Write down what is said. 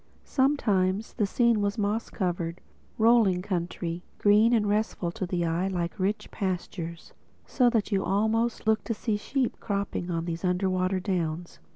Sometimes the scene was moss covered, rolling country, green and restful to the eye like rich pastures; so that you almost looked to see sheep cropping on these underwater downs.